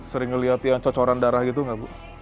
sering ngeliat ya cocoran darah gitu gak bu